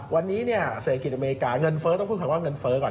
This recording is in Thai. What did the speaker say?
วันนี้เนี่ยเศรษฐกิจอเมริกาเงินเฟ้อต้องพูดคำว่าเงินเฟ้อก่อน